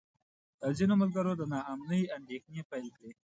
ځینو ملګرو د نا امنۍ اندېښنې پیل کړې.